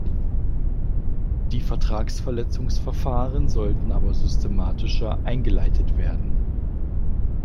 Die Vertragsverletzungsverfahren sollten aber systematischer eingeleitet werden.